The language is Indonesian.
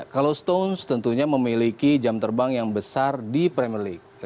kalau stones tentunya memiliki jam terbang yang besar di premier league